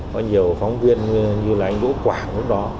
có nhiều phóng viên như là anh đỗ quảng lúc đó